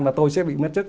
và tôi sẽ bị mất chức